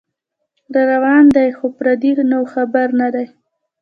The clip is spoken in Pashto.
راروان دی خو پردې نو خبر نه دی